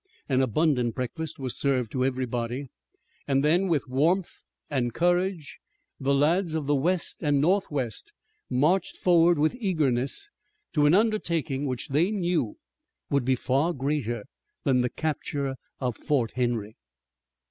An abundant breakfast was served to everybody, and then with warmth and courage the lads of the west and northwest marched forward with eagerness to an undertaking which they knew would be far greater than the capture of Fort Henry.